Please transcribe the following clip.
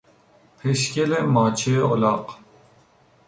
پشگل ماچه الاغ